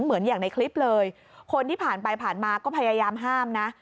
เหมือนอย่างในคลิปเลยคนที่ผ่านไปผ่านมาก็พยายามห้ามนะ